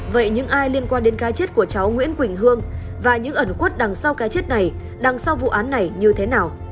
vậy những ai liên quan đến cái chết của cháu nguyễn quỳnh hương và những ẩn khuất đằng sau cái chết này đằng sau vụ án này như thế nào